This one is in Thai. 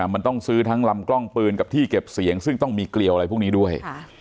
มันต้องซื้อทั้งลำกล้องปืนกับที่เก็บเสียงซึ่งต้องมีเกลียวอะไรพวกนี้ด้วย